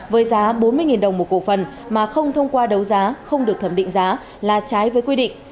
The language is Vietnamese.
với giá bốn mươi đồng một cổ phần mà không thông qua đấu giá không được thẩm định giá là trái với quy định